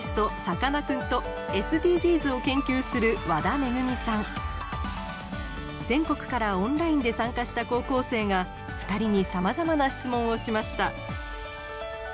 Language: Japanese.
ゲストは全国からオンラインで参加した高校生が２人にさまざまな質問をしました。